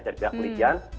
dari pihak kepolisian